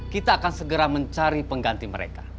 kita akan segera mencari pengganti mereka